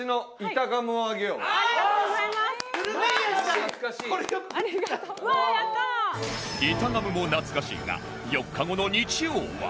板ガムもなつかしいが４日後の日曜は